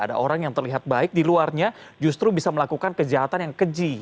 ada orang yang terlihat baik di luarnya justru bisa melakukan kejahatan yang keji